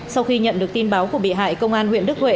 sau khi nhận được tin báo của bị hại công an huyện đức huệ